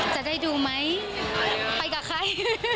จะได้ดูไหมไปกับใคร